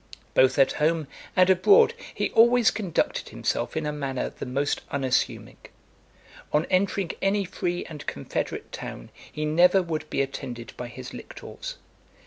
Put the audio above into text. Both at home and abroad he always conducted himself in a manner the most unassuming. On entering any free and confederate town, he never would be attended by his lictors.